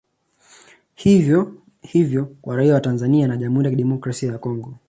Hivyo hivyo kwa raia wa Tanzania na Jamhuri ya kidemokrasia ya Congo